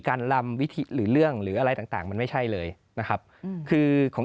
ลำวิธีหรือเรื่องหรืออะไรต่างต่างมันไม่ใช่เลยนะครับคือของ